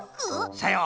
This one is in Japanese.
さよう！